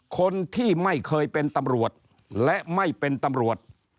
คนที่ไม่เคยเป็นตำรวจและไม่เป็นตำรวจ